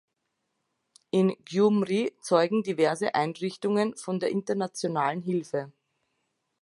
In Gjumri zeugen diverse Einrichtungen von der internationale Hilfe.